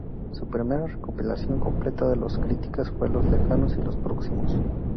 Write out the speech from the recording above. Su primera recopilación completa de críticas fue "Los lejanos y los próximos".